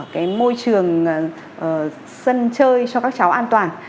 cái môi trường sân chơi cho các cháu an toàn